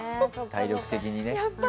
体力的にね。